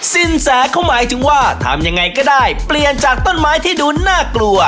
สินแสเขาหมายถึงว่าทำยังไงก็ได้เปลี่ยนจากต้นไม้ที่ดูน่ากลัว